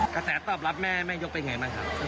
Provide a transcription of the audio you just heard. กระแสตอบรับแม่แม่ยกเป็นไงบ้างครับ